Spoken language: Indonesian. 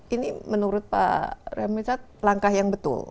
ini menurut pak remizat langkah yang betul